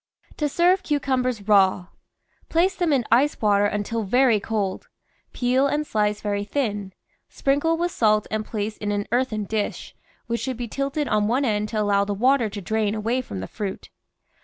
TO SERVE CUCUMBERS RAW Place them in ice water until very cold. Peel and slice very thin; sprinkle with salt and place in an earthen dish, which should be tilted on one end to allow the water to drain away from the fruit.